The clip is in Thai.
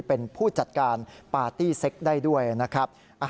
เป็นผู้จัดการปาร์ตี้เซ็กได้ด้วยนะครับ